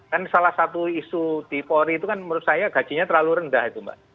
kan salah satu isu di polri itu kan menurut saya gajinya terlalu rendah itu mbak